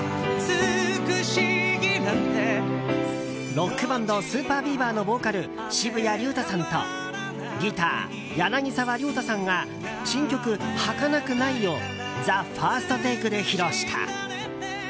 ロックバンドＳＵＰＥＲＢＥＡＶＥＲのボーカル、渋谷龍太さんとギター、柳沢亮太さんが新曲「儚くない」を「ＴＨＥＦＩＲＳＴＴＡＫＥ」で披露した。